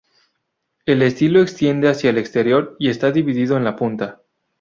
El estilo extiende hacia el exterior y está dividido en la punta.